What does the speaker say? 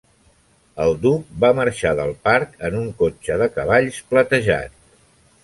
El duc va marxar del parc en un cotxe de cavalls platejat.